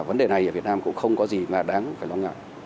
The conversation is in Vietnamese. vấn đề này ở việt nam cũng không có gì mà đáng phải lo ngại